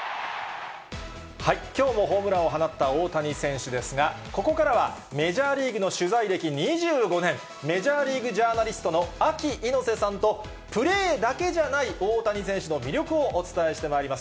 きょうもホームランを放った大谷選手ですが、ここからはメジャーリーグの取材歴２５年、メジャーリーグジャーナリストのアキ猪瀬さんと、プレーだけじゃない大谷選手の魅力をお伝えしてまいります。